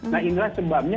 nah inilah sebabnya